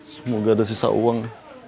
semoga ada sisa uang